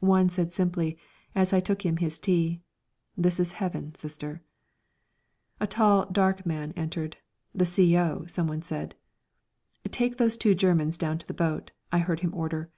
One said simply, as I took him his tea, "This is heaven, Sister." A tall, dark man entered the C.O., someone said. "Take those two Germans down to the boat," I heard him order.